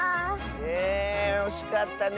えおしかったね。